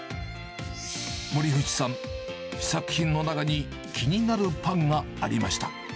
森藤さん、試作品の中に気になるパンがありました。